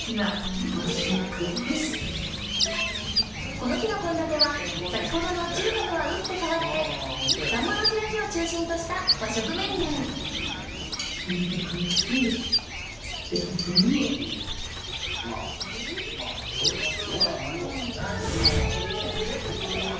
この日の献立は先ほどの中華とはうってかわってサンマの開きを中心とした和食メニューそんなかけるんですか。